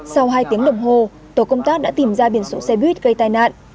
sau hai tiếng đồng hồ tổ công tác đã tìm ra biển số xe buýt gây tai nạn